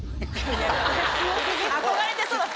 憧れてそうな服。